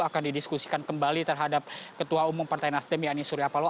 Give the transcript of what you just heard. akan didiskusikan kembali terhadap ketua umum partai nasdem yanni suryapalo